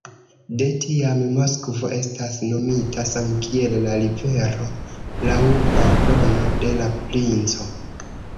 De tiam Moskvo estas nomita samkiel la rivero laŭ ordono de la princo.